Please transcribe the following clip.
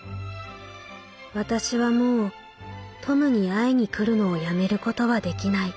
私はもうトムに会いにくるのをやめることはできない。